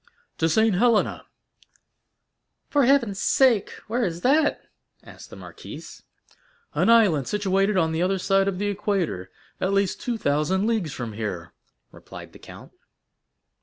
"To Saint Helena." "For heaven's sake, where is that?" asked the marquise. "An island situated on the other side of the equator, at least two thousand leagues from here," replied the count.